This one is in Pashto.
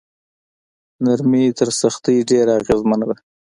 نرمي تر سختۍ ډیره اغیزمنه ده.